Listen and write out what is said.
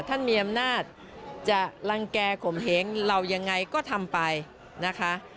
ท่านมีอำนาจจะลังแก่ข่มเหงเรายังไงก็ทำไปนะคะ